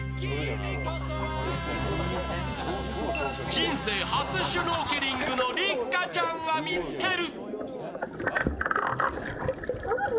人生初シュノーケリングの六花ちゃんが見つける。